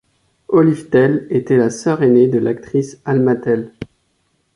Olive Tell était la sœur ainée de l'actrice Alma Tell.